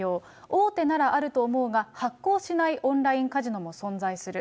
大手ならあると思うが、発行しないオンラインカジノも存在する。